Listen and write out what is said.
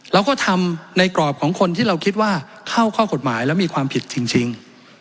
เราก็ทำในกรอบของคนที่เราคิดว่าเข้าข้อกฎหมายแล้วมีความผิดจริง